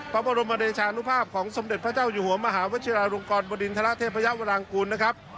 พระบรมเดชานุภาพของสมเด็จพระเจ้าอยู่หัวมหาวชิราลงกรบริณฑระเทพยาวรางกูลนะครับ